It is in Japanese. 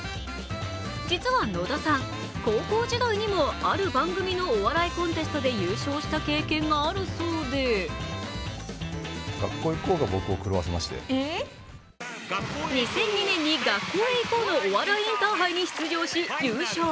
実は野田さん、高校時代にもある番組のお笑いコンテストで優勝した経験があるそうで２００２年に「学校へ行こう」のお笑いインターハイに出場し優勝。